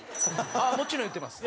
ああもちろん言ってます。